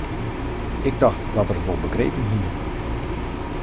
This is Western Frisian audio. Ik tocht dat er it wol begrepen hie.